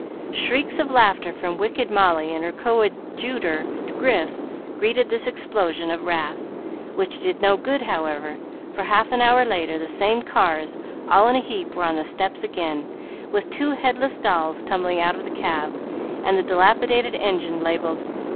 Shrieks of laughter from wicked Molly and her coadjutor, Grif, greeted this explosion of wrath, which did no good, however, for half an hour later the same cars, all in a heap, were on the steps again, with two headless dolls tumbling out of the cab, and the dilapidated engine labelled, "No.